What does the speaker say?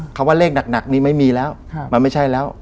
คำว่าเลขหนักนี้ไม่มีแล้วมันไม่ใช่แล้ว